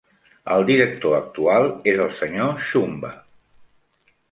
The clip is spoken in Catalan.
El director actual és el Sr. Shumba.